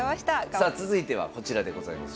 さあ続いてはこちらでございます。